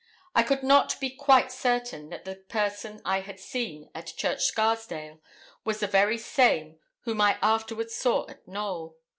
I could not be quite certain that the person I had seen at Church Scarsdale was the very same whom I afterwards saw at Knowl.